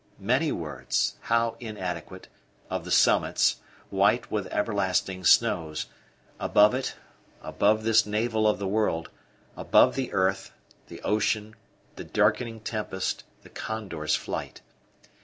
Many words how inadequate! of the summits, white with everlasting snows, above it above this navel of the world, above the earth, the ocean, the darkening tempest, the condor's flight.